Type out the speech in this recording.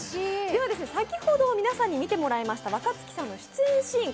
先ほど皆さんに見てもらいました若槻さんの出演シーン